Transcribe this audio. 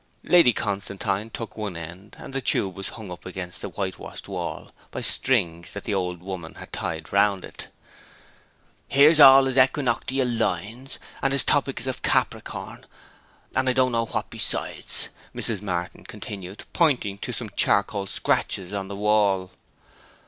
Lady Constantine took one end, and the tube was hung up against the whitewashed wall by strings that the old woman had tied round it. 'Here's all his equinoctial lines, and his topics of Capricorn, and I don't know what besides,' Mrs. Martin continued, pointing to some charcoal scratches on the wall.